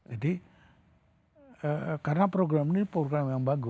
jadi karena program ini program yang bagus